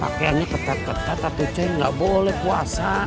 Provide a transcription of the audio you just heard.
pakaiannya ketat ketat tatu ceng enggak boleh puasa